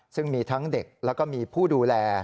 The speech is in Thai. ซึ่งมีทั้งเด็กแล้วก็มีผู้ดูแล